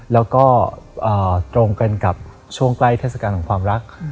แล้วก็ตรงกันกับช่วงใกล้เทศกาลของความรัก